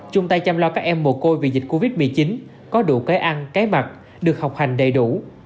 chung tay chăm lo các em mồ côi vì dịch covid một mươi chín có đủ cái ăn cái mặt được học hành đầy đủ